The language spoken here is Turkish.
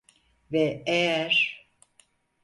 Ve eğer…